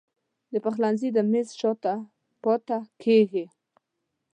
د پخلنځي د میز شاته پاته کیږې